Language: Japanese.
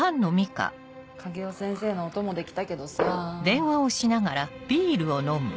影尾先生のお供で来たけどさぁ。